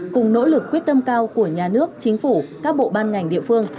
cùng nỗ lực quyết tâm cao của nhà nước chính phủ các bộ ban ngành địa phương